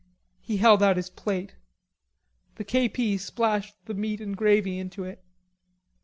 He held out his plate. The K.P. splashed the meat and gravy into it.